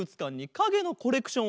かげのコレクション？